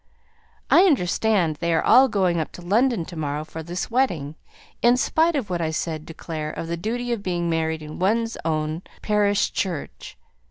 "I understand they are all going up to London to morrow for this wedding, in spite of what I said to Clare of the duty of being married in one's own parish church.